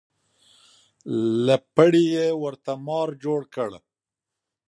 له پړي یې ورته مار جوړ کړ.